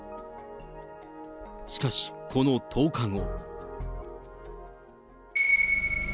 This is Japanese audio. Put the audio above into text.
しかしこの１０日後。